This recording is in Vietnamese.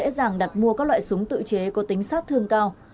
đối tượng dễ dàng đặt mua các loại súng tự chế có tính sát thương cao